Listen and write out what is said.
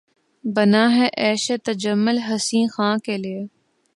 بنا ہے عیش تجمل حسین خاں کے لیے